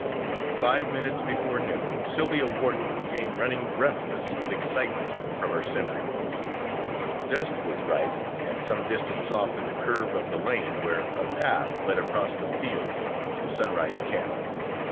Five minutes before noon Sylvia Wharton came running breathless with excitement from her sentry post. Dust was rising at some distance off in the curve of the lane where a path led across the fields to Sunrise Camp.